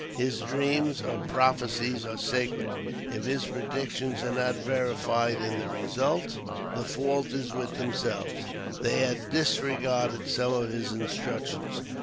His dreams or prophecies are sacred; if his predictions are not verified in the result, the fault is with themselves; they had disregarded some of his instructions.